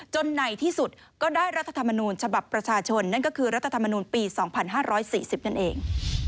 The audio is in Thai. ในที่สุดก็ได้รัฐธรรมนูญฉบับประชาชนนั่นก็คือรัฐธรรมนูลปี๒๕๔๐นั่นเอง